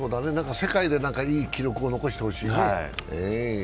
世界でいい記録を残してほしいね。